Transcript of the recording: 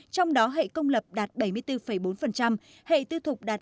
trong đó hệ công lập đạt bảy mươi bốn bốn hệ tư thục đạt một sáu